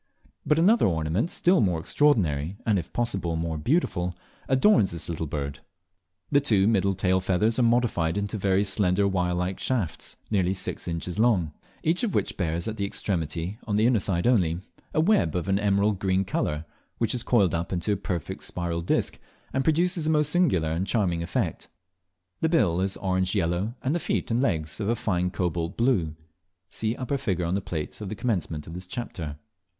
But another ornament still more extraordinary, and if possible more beautiful, adorns this little bird. The two middle tail feathers are modified into very slender wirelike shafts, nearly six inches long, each of which bears at the extremity, on the inner side only, a web of an emerald green colour, which is coiled up into a perfect spiral disc, and produces a most singular and charming effect. The bill is orange yellow, and the feet and legs of a fine cobalt blue. (See upper figure on the plate at the commencement of this chapter.)